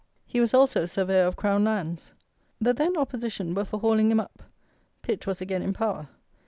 He was also Surveyor of Crown lands. The then Opposition were for hauling him up. Pitt was again in power.